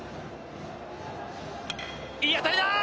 いい当たりだ！